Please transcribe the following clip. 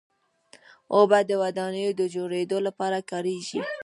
اوبه د ودانیو د جوړېدو لپاره کارېږي.